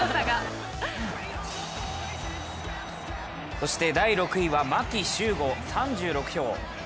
そして第６位は牧秀悟３６票。